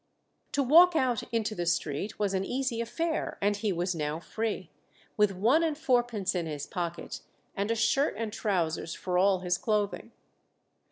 To walk out into the street was an easy affair, and he was now free, with one and fourpence in his pocket and a shirt and trousers for all his clothing.